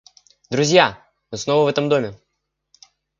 Друзья! мы снова в этом доме!